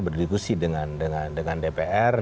berdiskusi dengan dpr